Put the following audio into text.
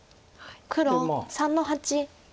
黒３の八。